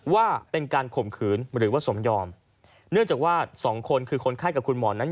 ว่าเป็นการข่มขืนหรือว่าสมยอมเนื่องจากว่าสองคนคือคนไข้กับคุณหมอนั้น